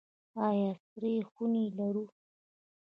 آیا سړې خونې لرو؟